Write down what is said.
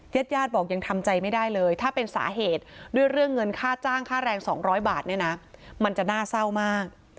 ญาติญาติบอกยังทำใจไม่ได้เลยถ้าเป็นสาเหตุด้วยเรื่องเงินค่าจ้างค่าแรง๒๐๐บาทเนี่ยนะมันจะน่าเศร้ามาก